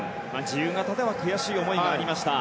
自由形では悔しい思いもありました。